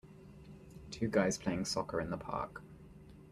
Two guys playing soccer in the park.